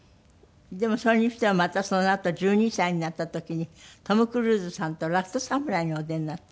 でもそれにしてはまたそのあと１２歳になった時にトム・クルーズさんと『ラストサムライ』にお出になった？